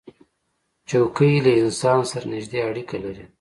چوکۍ له انسان سره نزدې اړیکه لري.